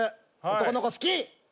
男の子好き！